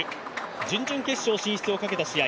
準々決勝進出を決める試合。